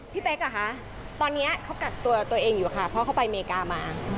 เป๊กอ่ะคะตอนนี้เขากักตัวตัวเองอยู่ค่ะเพราะเขาไปอเมริกามา